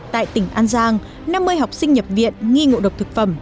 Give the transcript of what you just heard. tại tỉnh an giang năm mươi học sinh nhập viện nghi ngộ độc thực phẩm